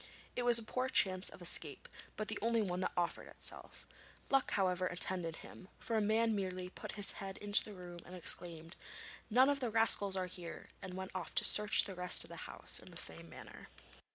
It was a poor chance of escape, but the only one that offered itself. Luck, however, attended him, for a man merely put his head into the room and exclaimed, 'None of the rascals are here,' and went off to search the rest of the house in the same manner.